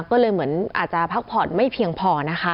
ก็เลยเหมือนอาจจะพักผ่อนไม่เพียงพอนะคะ